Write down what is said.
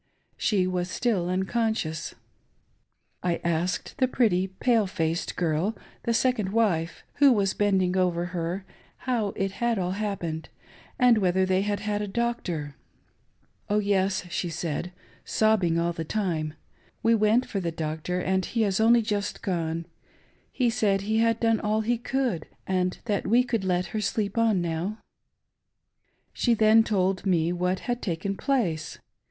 She was still unconscious. I asked the pretty pale faced girl — the second wife — who was bending over her, how it had all happened, and whether they had had a doctor. 568 A CRUEL PROPOSItlON. " Oh, yes," she said, sobbing all the time, " we sent for tlie doctor, and he has only just gone. He said he had done all he could, and that we could let her sleep on now." She then told me what had taken place.